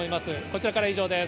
こちらからは以上です。